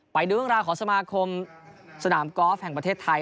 ปล่อยหนึ่งเวลาขอสมาคมสนามกอล์ฟแห่งประเทศไทย